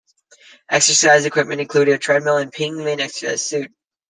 Exercise equipment included a treadmill and Pingvin exercise suit.